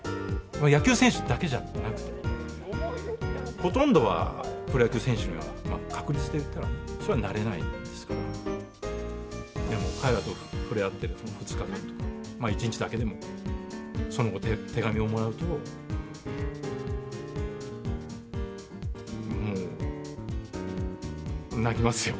野球選手だけじゃなくて、ほとんどはプロ野球選手には、確率でいったら、それはなれないんですけど、でも彼らと触れ合っている２日間、１日だけでも、その後、手紙をもらうと、もう泣きますよ。